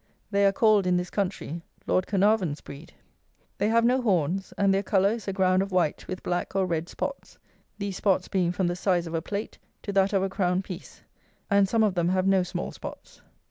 They are called, in this country, Lord Caernarvon's breed. They have no horns, and their colour is a ground of white with black or red spots, these spots being from the size of a plate to that of a crown piece; and some of them have no small spots.